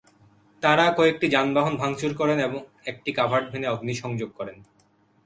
তাঁরা কয়েকটি যানবাহন ভাঙচুর করেন এবং একটি কাভার্ড ভ্যানে অগ্নিসংযোগ করেন।